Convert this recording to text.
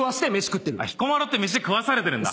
彦摩呂って飯食わされてるんだ。